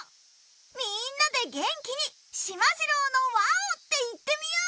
みんなで元気に『しまじろうのわお！』って言ってみよう！